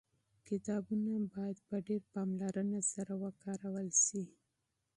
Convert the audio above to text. کتابونه باید په ډېر احتیاط سره وکارول سي.